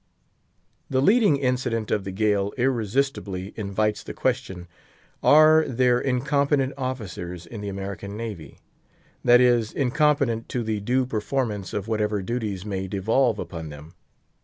The leading incident of the gale irresistibly invites the question, Are there incompetent officers in the American navy?—that is, incompetent to the due performance of whatever duties may devolve upon them.